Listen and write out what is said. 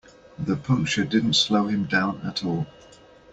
The puncture didn't slow him down at all.